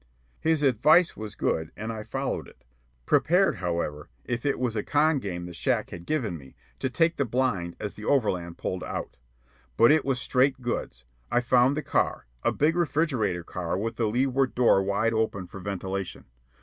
His advice was good, and I followed it, prepared, however, if it was a "con game" the shack had given me, to take the blind as the overland pulled out. But it was straight goods. I found the car a big refrigerator car with the leeward door wide open for ventilation.